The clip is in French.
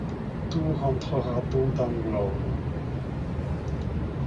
Tout rentrera donc dans l'ordre.